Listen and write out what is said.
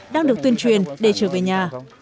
đang được tuyên truyền để trở về nhà